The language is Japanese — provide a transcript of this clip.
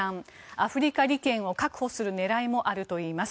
アフリカ利権を確保する狙いもあるといいます。